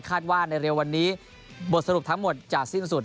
ว่าในเร็ววันนี้บทสรุปทั้งหมดจะสิ้นสุด